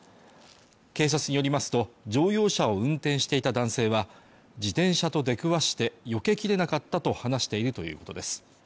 警察によりますと乗用車を運転していた男性は自転車と出くわしてよけきれなかったと話しているということです